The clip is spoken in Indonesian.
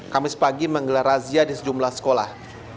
kami sepagi menggelar razia di sejumlah sekolah